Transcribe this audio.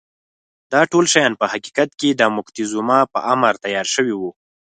دا ټول شیان په حقیقت کې د موکتیزوما په امر تیار شوي وو.